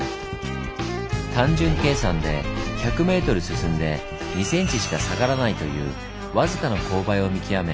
単純計算で１００ｍ進んで２ｃｍしか下がらないというわずかな勾配を見極め